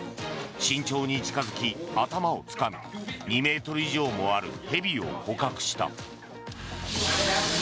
慎重に近付き、頭をつかみ２ｍ以上もある蛇を捕獲した。